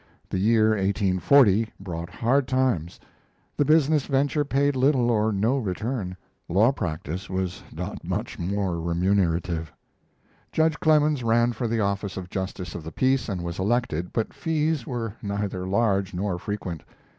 The year 1840 brought hard times: the business venture paid little or no return; law practice was not much more remunerative. Judge Clemens ran for the office of justice of the peace and was elected, but fees were neither large nor frequent.